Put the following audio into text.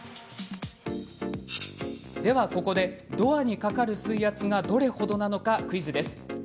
ではここで、ドアにかかる水圧がどれほどなのかクイズです。